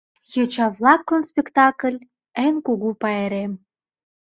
Йоча-влаклан спектакль — эн кугу пайрем.